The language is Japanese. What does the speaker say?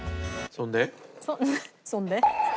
「そんで？」。